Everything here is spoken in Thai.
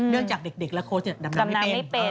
จากเด็กและโค้ชดำน้ำไม่เป็น